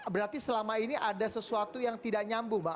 berarti selama ini ada sesuatu yang tidak nyambung mbak